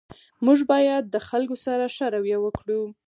موږ باید د خلګو سره ښه رویه وکړو